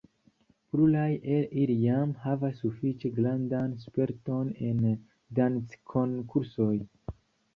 Pluraj el ili jam havas sufiĉe grandan sperton en danckonkursoj.